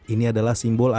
ini adalah simbol agama